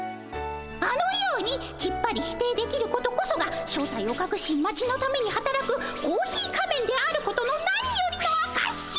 あのようにきっぱり否定できることこそが正体をかくし町のためにはたらくコーヒー仮面であることの何よりのあかし！